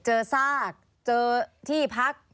ซากเจอที่พัก